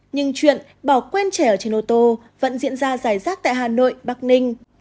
nhưng chuyện bỏ quên trẻ ở trên ô tô vẫn diễn ra dài rác tại hà nội bắc ninh